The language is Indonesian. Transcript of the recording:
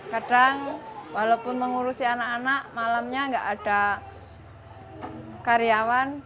kadang walaupun mengurusi anak anak malamnya nggak ada karyawan